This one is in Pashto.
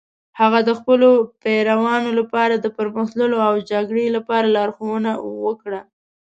هغه د خپلو پیروانو لپاره د پرمخ تللو او جګړې لپاره لارښوونه وکړه.